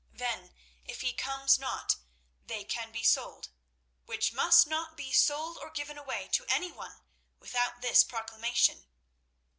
Then if he comes not they can be sold, which must not be sold or given away to any one without this proclamation.